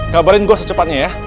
gabarin gue secepatnya ya